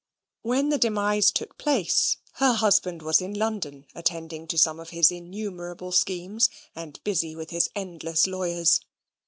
When the demise took place, her husband was in London attending to some of his innumerable schemes, and busy with his endless lawyers.